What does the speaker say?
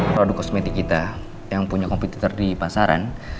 produk kosmetik kita yang punya kompetitor di pasaran